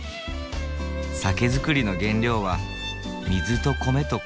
酒造りの原料は水と米と麹だけ。